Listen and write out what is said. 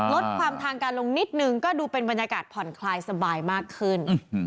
ลดความทางการลงนิดนึงก็ดูเป็นบรรยากาศผ่อนคลายสบายมากขึ้น